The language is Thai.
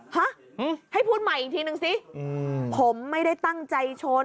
ฮะให้พูดใหม่อีกทีนึงสิผมไม่ได้ตั้งใจชน